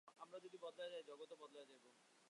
আমরা যদি বদলাইয়া যাই, জগৎও বদলাইয়া যাইবে।